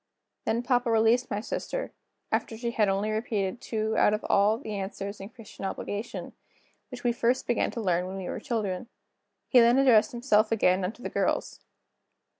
Then papa released my sister, after she had only repeated two out of all the answers in Christian Obligation, which we first began to learn when we were children. He then addressed himself again to the girls.